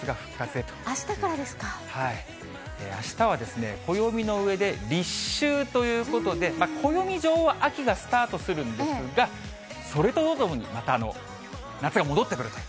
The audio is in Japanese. あしたはですね、暦の上で立秋ということで、暦上は秋がスタートするんですが、それとともにまた、夏が戻ってくると。